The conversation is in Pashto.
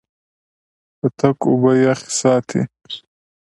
پتک اوبه یخې ساتي.